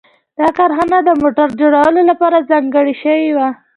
دا کارخانه د موټر جوړولو لپاره ځانګړې شوې وه